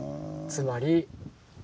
つまり。